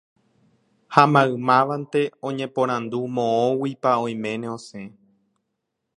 ha maymávante oñeporandu moõguipa oiméne osẽ